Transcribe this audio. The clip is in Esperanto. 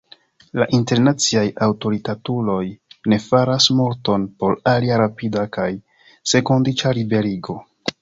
La internaciaj aŭtoritatuloj ne faras multon por ilia rapida kaj senkondiĉa liberigo.